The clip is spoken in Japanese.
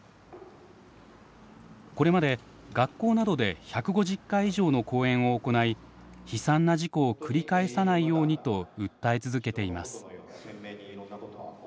これまで学校などで１５０回以上の講演を行い悲惨な事故を繰り返さないようにと訴え続けています。